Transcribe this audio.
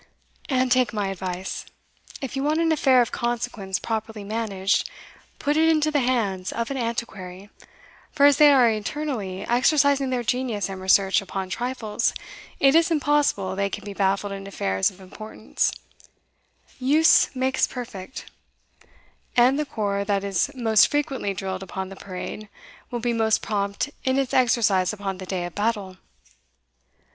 And take my advice If you want an affair of consequence properly managed, put it into the hands of an antiquary; for as they are eternally exercising their genius and research upon trifles, it is impossible they can be baffled in affairs of importance; use makes perfect and the corps that is most frequently drilled upon the parade, will be most prompt in its exercise upon the day of battle.